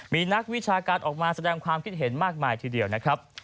มีนักวิชาการออกมาแสดงความคิดเห็นมากมายทีเดียวนะครับ